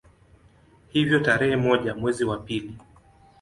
Hivyo tarehe moja mwezi wa pili